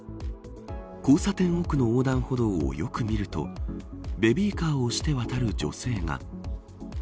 交差点奥の横断歩道をよく見るとベビーカーを押して渡る女性が。